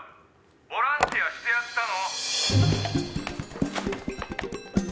ボランティアしてやったの！」